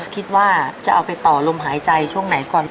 คิดว่าจะเอาไปต่อลมหายใจช่วงไหนก่อน